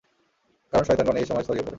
কারণ শয়তানগণ এ সময়ে ছড়িয়ে পড়ে।